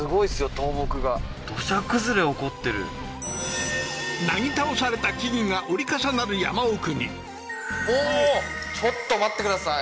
倒木が土砂崩れ起こってるなぎ倒された木々が折り重なる山奥におおーちょっと待ってください